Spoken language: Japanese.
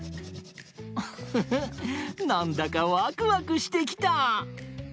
ウッフフなんだかワクワクしてきた！